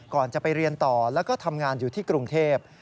ก่อนจะไปเรียนต่อแล้วก็ทำงานอยู่ที่กรุงเทพ